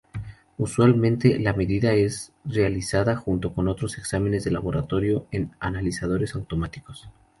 Usualmente la medida es realizada junto con otros exámenes de laboratorio en analizadores automáticos.